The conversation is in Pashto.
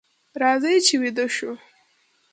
راځئ چې ویده شو.